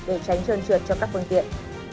để tránh trơn trượt cho các phương tiện